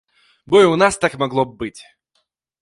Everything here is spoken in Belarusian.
Бо і ў нас так магло б быць.